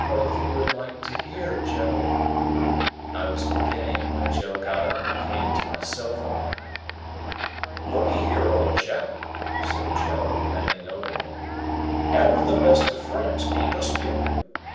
"If you would like to hear, Joe—" I was beginning, when Joe got up and came to my sofa. "Lookee here, old chap," said Joe, bending over me. "Ever the best of friends; ain't us, Pip?"